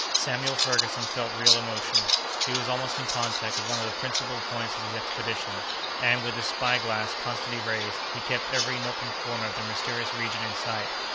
Samuel Ferguson felt real emotion: he was almost in contact with one of the principal points of his expedition, and, with his spy glass constantly raised, he kept every nook and corner of the mysterious region in sight.